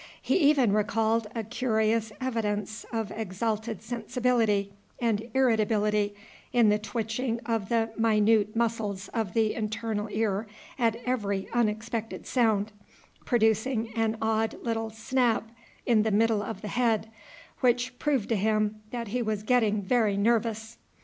He even recalled a curious evidence of exalted sensibility and irritability, in the twitching of the minute muscles of the internal ear at every unexpected sound, producing an odd little snap in the middle of the head, which proved to him that he was getting very nervous.